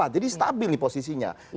jadi stabil nih posisinya